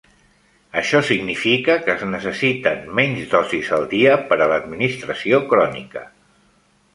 Això significa que es necessiten menys dosis al dia per a l'administració crònica.